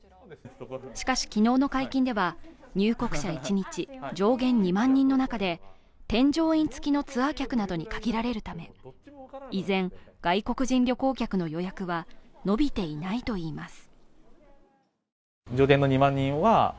しかし、昨日の解禁では入国者一日上限２万人の中で添乗員つきのツアー客などに限られるため依然、外国人旅行客の予約は伸びていないといいいます。